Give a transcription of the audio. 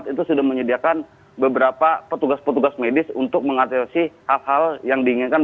itu sudah menyediakan beberapa petugas petugas medis untuk mengatasi hal hal yang diinginkan